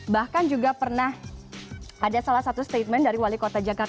bahkan juga pernah ada salah satu statement dari wali kota jakarta